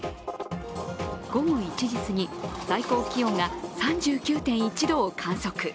午後１時すぎ、最高気温が３９．１度を観測。